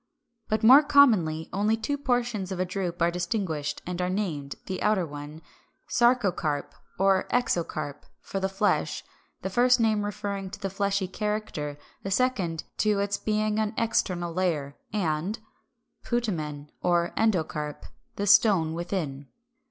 But more commonly only two portions of a drupe are distinguished, and are named, the outer one Sarcocarp or Exocarp, for the flesh, the first name referring to the fleshy character, the second to its being an external layer; and Putamen or Endocarp, the Stone, within.